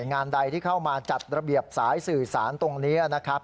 งานใดที่เข้ามาจัดระเบียบสายสื่อสารตรงนี้นะครับ